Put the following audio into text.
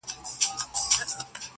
زه به د خال او خط خبري كوم.